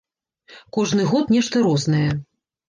Кожны год нешта рознае.